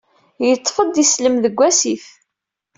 Yeṭṭef-d islem deg wasif.